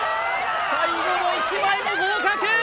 最後の１枚も合格！